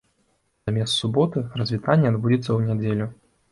Замест суботы развітанне адбудзецца ў нядзелю.